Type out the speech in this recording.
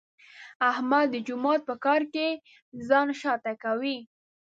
احمد د جومات په کار کې ځان شاته کوي.